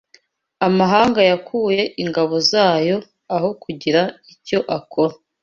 Amahanga yakuye ingabo zayo aho kugira icyo akora